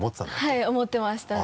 はい思ってましたね。